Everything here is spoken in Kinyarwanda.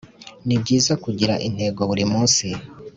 nibyiza kugira intego buri munsi,